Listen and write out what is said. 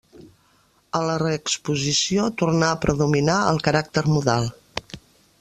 A la reexposició torna a predominar el caràcter modal.